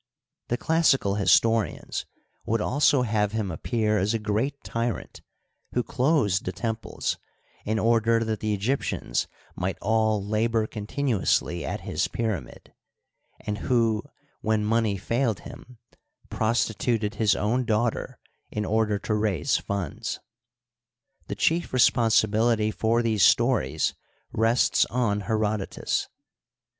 The clas sical historians would also have him appear as a g^eat tyrant, who closed the temples in order that the Egyptians might all labor continuously at his pyramid, and who, when money failed him, prostituted his own daughter in order to raise funds. The chief responsibility for these stories rests on Herodotus.